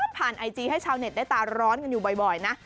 ไอจีให้ชาวเน็ตได้ตาร้อนกันอยู่บ่อยนะ